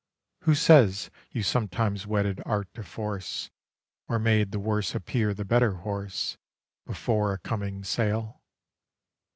Who says you sometimes wedded art to force, Or made the worse appear the better horse Before a coming sale?